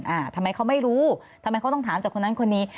อ่าทำไมเขาไม่รู้ทำไมเขาต้องถามจากคนนั้นคนนี้